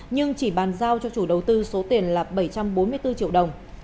nhưng chỉ bàn giao cho chủ đầu tư số tiền là bảy trăm bốn mươi bốn triệu đồng